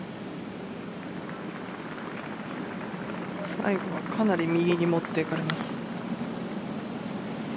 最後はかなり右に持っていかれます。